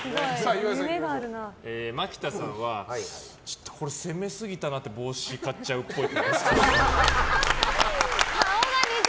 マキタさんは攻めすぎたなっていう帽子買っちゃうっぽい。